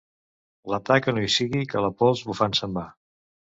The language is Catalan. La taca no hi sigui, que la pols bufant se'n va.